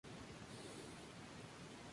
Varias letras no tienen equivalente moderno.